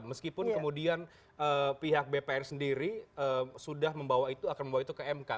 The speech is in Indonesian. meskipun kemudian pihak bpn sendiri sudah membawa itu akan membawa itu ke mk